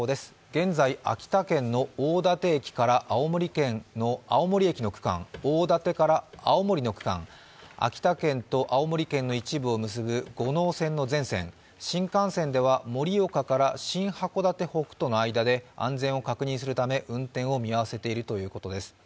現在、秋田県の大館駅から青森県の青森駅の区間、秋田県と青森県の一部を結ぶ五能線の全線、新幹線では盛岡から新函館北斗の間で安全を確認するため運転を見合わせているということです。